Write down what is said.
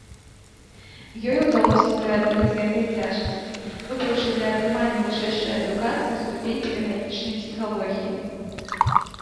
Ёй удалося пераадолець гэтыя цяжкасці, выбраўшы для атрымання вышэйшай адукацыі ступень педагагічнай псіхалогіі.